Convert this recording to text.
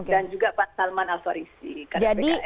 dan juga pak salman al farisi